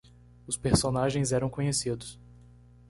Os personagens eram conhecidos.